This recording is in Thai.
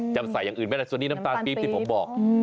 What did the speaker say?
จะใส่อย่างอื่นไม่ได้ส่วนนี้น้ำตาลปี๊บที่ผมบอก